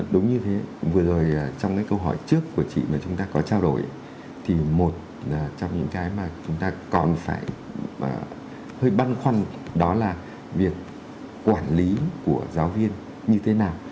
đúng như thế vừa rồi trong cái câu hỏi trước của chị mà chúng ta có trao đổi thì một là trong những cái mà chúng ta còn phải hơi băn khoăn đó là việc quản lý của giáo viên như thế nào